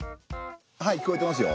はい聞こえてますよ。